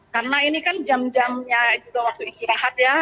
karena ini kan jam jamnya waktu istirahat ya